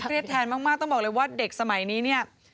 แทนมากต้องบอกเลยว่าเด็กสมัยนี้เนี่ย